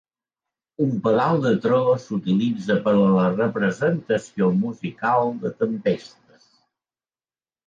Un pedal de tro s'utilitza per a la representació musical de tempestes.